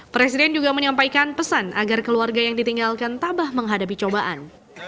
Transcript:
presiden juga menyampaikan pesan agar keluarga yang ditinggalkan tabah menghadapi cobaan